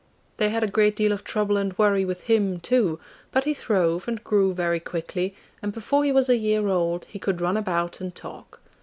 They had a great deal of trouble and worry with him too; but he throve and grew very quickly, and before he was a year old he could run about and talk.